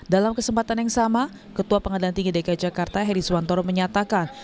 dalam kesempatan yang sama ketua pengadilan tinggi dki jakarta heri suwantoro menyatakan